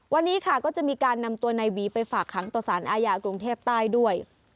วันนี้ค่ะก็จะมีการนำตัวนายหวีไปฝากขังต่อสารอาญากรุงเทพใต้ด้วย